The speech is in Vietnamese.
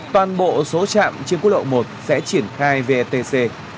toàn bộ số trạm trên quốc lộ một sẽ triển khai vetc